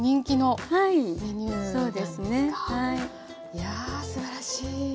いやすばらしい。